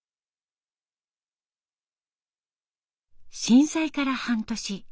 震災から半年。